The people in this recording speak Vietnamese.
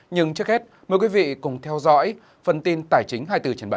nhưng trước hết mời quý vị cùng theo dõi phần tin tài chính hai mươi bốn trên bảy